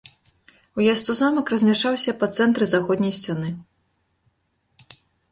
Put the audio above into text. Уезд у замак размяшчаўся па цэнтры заходняй сцяны.